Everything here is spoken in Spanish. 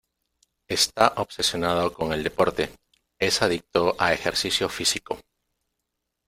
Está obsesionado con el deporte: es adicto a ejercicio físico.